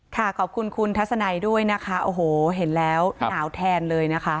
ขอบคุณคุณทัศนัยด้วยนะคะโอ้โหเห็นแล้วหนาวแทนเลยนะคะ